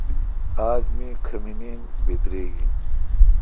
اج می کھمینین بدریگ این